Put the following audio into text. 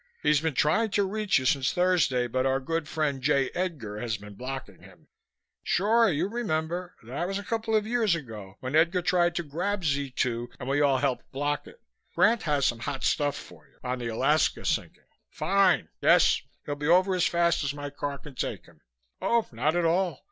He's been trying to reach you since Thursday but our good friend J. Edgar has been blocking him Sure, you remember That was a couple of years ago, when Edgar tried to grab Z 2 and we all helped block it. Grant has some hot stuff for you, on the Alaska sinking Fine! Yes, he'll be over as fast as my car can take him. Oh, not at all.